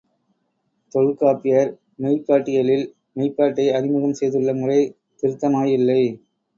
தொல்காப்பியர் மெய்ப்பாட்டியலில் மெய்ப்பாட்டை அறிமுகம் செய்துள்ள முறை திருத்தமாயில்லை.